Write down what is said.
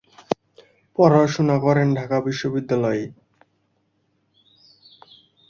পড়াশোনা করেন ঢাকা বিশ্ববিদ্যালয়ে।